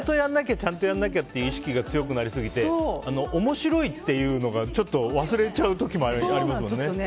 ちゃんとやんなきゃって意識が強くなりすぎて面白いっていうのがちょっと忘れちゃう時もありますもんね